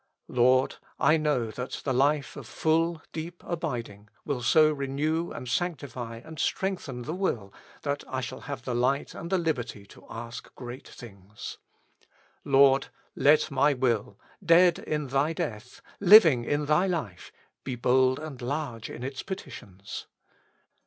Lord! I know that the life of full, deep abiding will so renew and sanctify and strengthen the will that I shall have the light and the liberty to ask great things. Lord ! let my will, dead in Thy death, living in Thy life, be bold and large in its petitions.